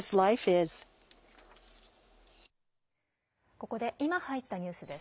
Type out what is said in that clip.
ここで今、入ったニュースです。